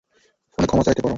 ফোনে ক্ষমা চাইতে পারো।